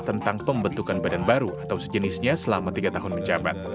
tentang pembentukan badan baru atau sejenisnya selama tiga tahun menjabat